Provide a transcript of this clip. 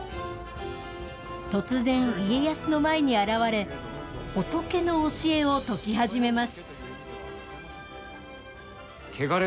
突然、家康の前に現れ、仏の教えをとき始めます。